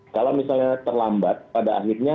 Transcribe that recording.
kalau misalnya terlambat pada akhirnya